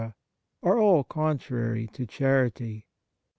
are all contrary to charity.